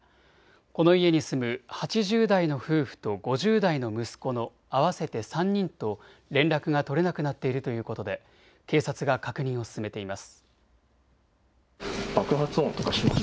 この家に住む８０代の夫婦と５０代の息子の合わせて３人と連絡が取れなくなっているということで警察が確認を進めています。